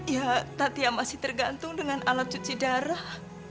ya tatia masih tergantung dengan alat cuci darah